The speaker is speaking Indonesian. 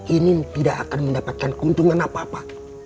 ini tidak akan mendapatkan keuntungan apa apa